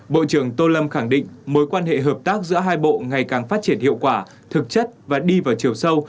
bộ trưởng tô lâm khẳng định mối quan hệ hợp tác giữa hai bộ ngày càng phát triển hiệu quả thực chất và đi vào chiều sâu